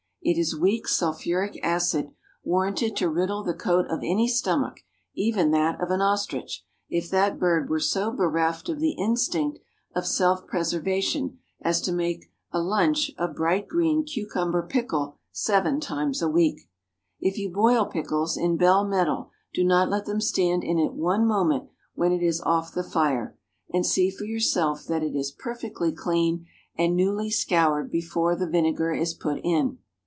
It is weak sulphuric acid, warranted to riddle the coat of any stomach, even that of an ostrich, if that bird were so bereft of the instinct of self preservation as to make a lunch of bright green cucumber pickle seven times a week. If you boil pickles in bell metal, do not let them stand in it one moment when it is off the fire; and see for yourself that it is perfectly clean and newly scoured before the vinegar is put in.